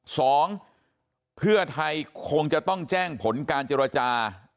สองเพื่อไทยคงจะต้องแจ้งผลการเจรจา